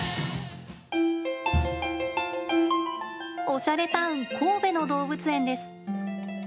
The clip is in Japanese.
おしゃれタウン神戸の動物園です。